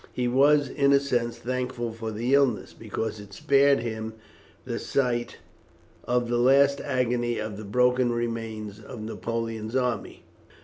He was, in a sense, thankful for the illness, because it spared him the sight of the last agony of the broken remains of Napoleon's army.